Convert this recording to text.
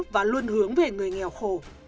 và luôn hướng về người nghèo khổ